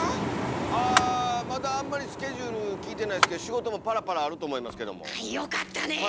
あまだあんまりスケジュール聞いてないですけど仕事もパラパラあると思いますけども。よかったねえ！